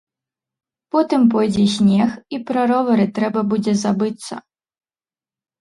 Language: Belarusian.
Потым пойдзе снег, і пра ровары трэба будзе забыцца.